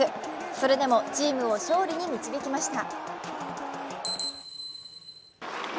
それでもチームを勝利に導きました。